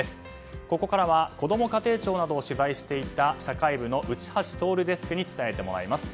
ここからはこども家庭庁などを取材していた社会部の内橋徹デスクに伝えてもらいます。